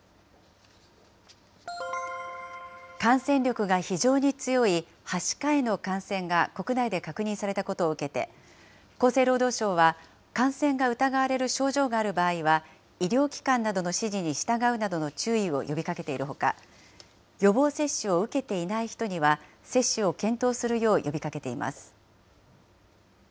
感染力が非常に強いはしかへの感染が国内で確認されたことを受けて、厚生労働省は感染が疑われる症状がある場合は、医療機関などの指示に従うなどの注意を呼びかけているほか、予防接種を受けていない人には、接種を検討するよう呼びかけています。